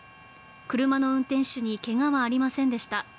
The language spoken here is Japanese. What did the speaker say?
車の運転手にけがはありませんでした。